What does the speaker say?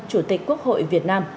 chủ tịch quốc hội việt nam